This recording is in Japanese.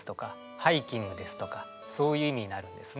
ハイキングですとかそういう意味になるんですね。